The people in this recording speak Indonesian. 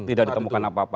tidak ditemukan apa apa